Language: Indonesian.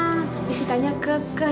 tapi sitanya kekeh